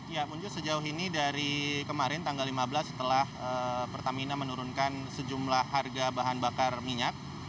ya punju sejauh ini dari kemarin tanggal lima belas setelah pertamina menurunkan sejumlah harga bahan bakar minyak